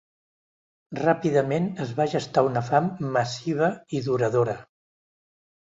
Ràpidament, es va gestar una fam massiva i duradora.